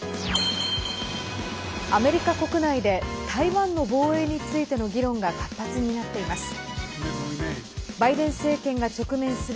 アメリカ国内で台湾の防衛についての議論が活発になっています。